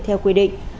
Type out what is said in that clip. theo quy định